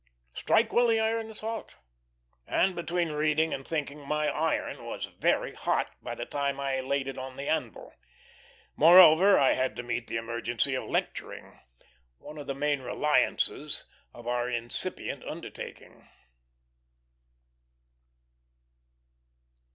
Strike while the iron is hot! and between reading and thinking my iron was very hot by the time I laid it on the anvil. Moreover, I had to meet the emergency of lecturing, one of the main reliances of our incipient undertaking.